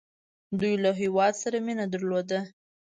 دوی له هیواد سره مینه درلوده.